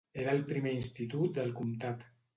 Era el primer institut del comtat.